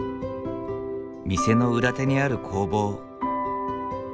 店の裏手にある工房。